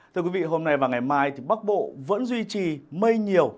thưa quý vị hôm nay và ngày mai thì bắc bộ vẫn duy trì mây nhiều